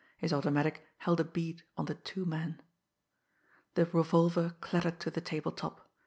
His automatic held a bead on the two men. The revolver clattered to the table top.